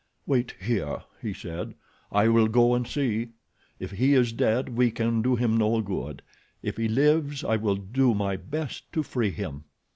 "Wait here," he said. "I will go and see. If he is dead we can do him no good. If he lives I will do my best to free him."